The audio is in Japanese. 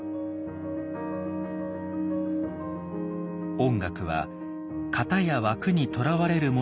音楽は型や枠にとらわれるものではない。